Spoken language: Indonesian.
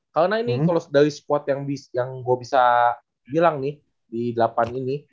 karena ini kalau dari spot yang gue bisa bilang nih di delapan ini